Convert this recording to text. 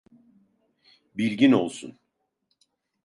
Bilgin olsun.